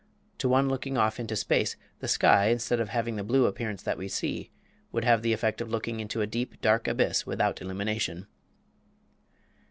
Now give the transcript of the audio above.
To one looking off into space, the sky, instead of having the blue appearance that we see, would have the effect of looking into a deep, dark abyss without illumination.